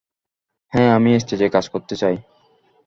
হ্যাঁ, আমি স্টেজে কাজ করতে চাই।